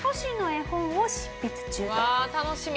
わあ楽しみ！